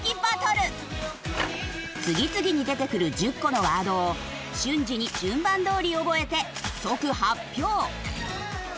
次々に出てくる１０個のワードを瞬時に順番どおり覚えて即発表。